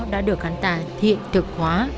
đã được hắn ta thiện thực hóa